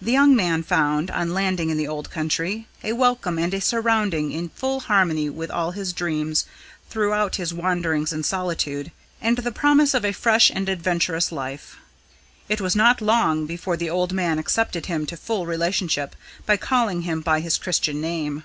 The young man found, on landing in the old country, a welcome and a surrounding in full harmony with all his dreams throughout his wanderings and solitude, and the promise of a fresh and adventurous life. It was not long before the old man accepted him to full relationship by calling him by his Christian name.